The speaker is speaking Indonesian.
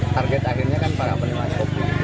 target akhirnya kan para penikmat kopi